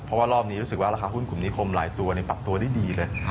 เพราะว่ารอบนี้รู้สึกว่าราคาหุ้นกลุ่มนิคมหลายตัวปรับตัวได้ดีเลย